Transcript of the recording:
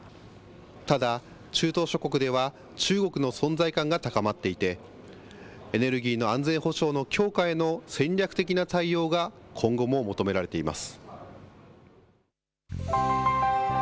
ただ、中東諸国では中国の存在感が高まっていて、エネルギーの安全保障の強化への戦略的な対応が今後も求められています。